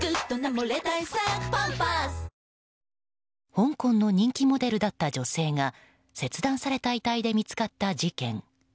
香港の人気モデルだった女性が切断された遺体で見つかった事件。